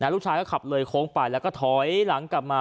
ลูกชายก็ขับเลยโค้งไปแล้วก็ถอยหลังกลับมา